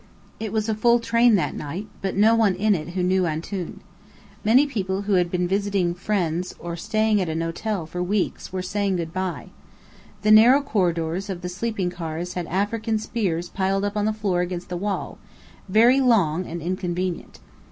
It was a full train that night, but no one in it who knew Antoun. Many people who had been visiting friends or staying at an hotel for weeks, were saying good bye. The narrow corridors of the sleeping cars had African spears piled up on the floor against the wall, very long and inconvenient.